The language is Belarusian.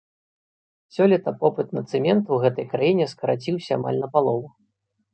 Сёлета попыт на цэмент у гэтай краіне скараціўся амаль на палову.